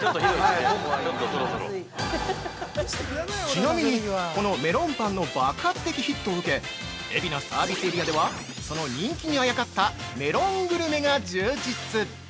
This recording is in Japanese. ◆ちなみに、このメロンパンの爆発的ヒットを受け、海老名サービスエリアでは、その人気にあやかったメロングルメが充実！